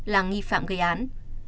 là nghi phạm gây án